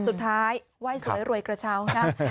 สุดท้ายไหว้เสือรวยกระเชา